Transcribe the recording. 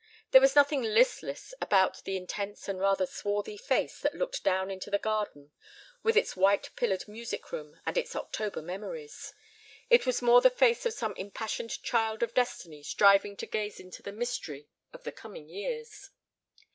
There was nothing listless about the intense and rather swarthy face that looked down into the garden with its white pillared music room and its October memories. It was more the face of some impassioned child of destiny striving to gaze into the mystery of the coming years.